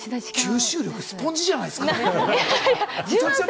吸収力、スポンジじゃないですか！